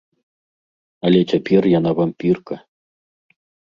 Але цяпер яна вампірка.